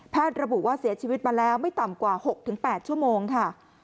ระบุว่าเสียชีวิตมาแล้วไม่ต่ำกว่า๖๘ชั่วโมงค่ะ